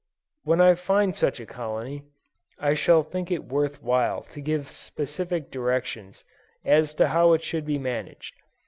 When I find such a colony, I shall think it worth while to give specific directions as to how it should be managed.